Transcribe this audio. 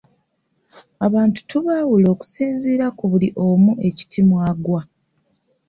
Abantu tubaawula okusinziira ku buli omu ekiti mw'agwa.